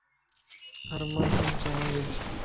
ٿرماس مَ چائي وج